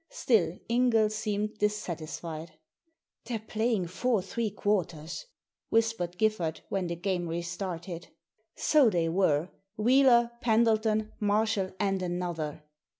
Still Ingfall seemed dissatisfied. "They're playing four three quarters," whispered Giffard, when the game restarted. So they were — Wheeler, Pendleton, Marshall, and another.